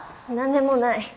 何でもない。